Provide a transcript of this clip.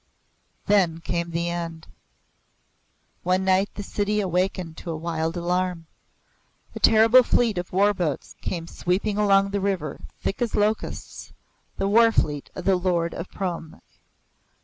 Then came the end. One night the city awakened to a wild alarm. A terrible fleet of war boats came sweeping along the river thick as locusts the war fleet of the Lord of Prome.